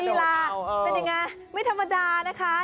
นี่ลาเป็นยังง่ายไม่ธรรมดานะคะ